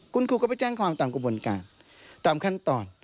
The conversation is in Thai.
คุณครูก็ไปแจ้งความตามกระบวนการตามขั้นตอน